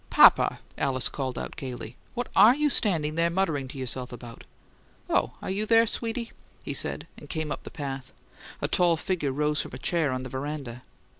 "Papa!" Alice called gaily. "What are you standing there muttering to yourself about?" "Oh, are you there, dearie?" he said, and came up the path. A tall figure rose from a chair on the veranda.